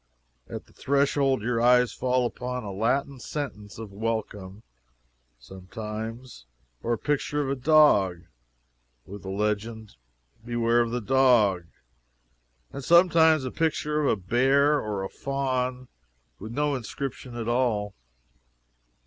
At the threshold your eyes fall upon a Latin sentence of welcome, sometimes, or a picture of a dog, with the legend "Beware of the Dog," and sometimes a picture of a bear or a faun with no inscription at all.